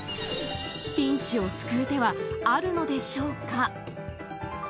ピンチを救う手はあるのでしょうか？